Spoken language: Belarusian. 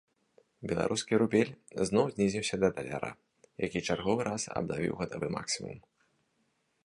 Беларускі рубель зноў знізіўся да даляра, які чарговы раз абнавіў гадавы максімум.